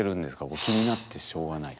もう気になってしょうがない。